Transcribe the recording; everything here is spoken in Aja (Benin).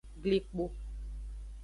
Glikpo.